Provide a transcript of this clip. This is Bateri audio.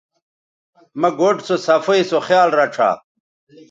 مہ گوٹھ سوصفائ سو خیال رڇھا